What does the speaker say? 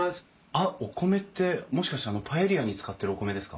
あっお米ってもしかしてあのパエリアに使ってるお米ですか？